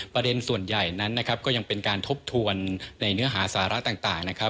ประเด็นส่วนใหญ่นั้นก็ยังเป็นการทบทวนในเนื้อหาสาระต่าง